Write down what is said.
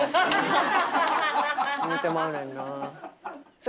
言うてまうねんな。